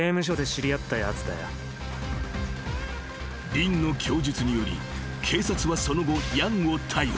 ［リンの供述により警察はその後ヤンを逮捕］